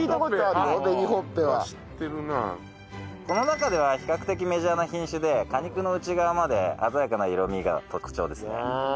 この中では比較的メジャーな品種で果肉の内側まで鮮やかな色味が特徴ですね。